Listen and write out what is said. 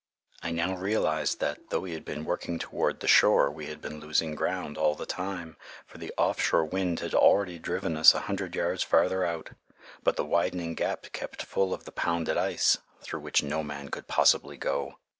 I now realized that, though we had been working toward the shore, we had been losing ground all the time, for the off shore wind had already driven us a hundred yards farther out. But the widening gap kept full of the pounded ice, through which no man could possibly go.